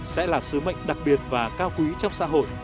sẽ là sứ mệnh đặc biệt và cao quý trong xã hội